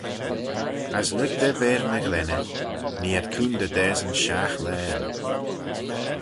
As lurg da v'er ny ghlenney, nee ad coontey dasyn shiaght laghyn.